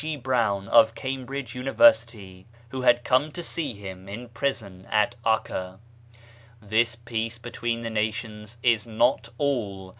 G. Browne of Cambridge University, who had come to see him in prison at *Akka. This peace between the nations is not all.